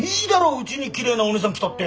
うちにきれいなおねえさん来たって！